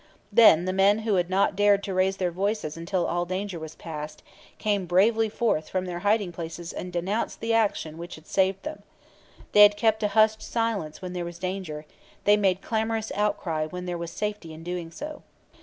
Then the men who had not dared to raise their voices until all danger was past came bravely forth from their hiding places and denounced the action which had saved them. They had kept a hushed silence when there was danger; they made clamorous outcry when there was safety in doing so.